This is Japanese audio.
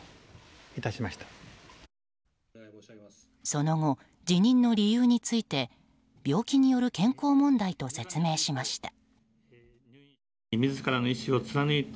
その後辞任の理由について病気による健康問題と説明しました。